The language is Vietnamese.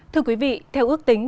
thưa quý vị theo ước tính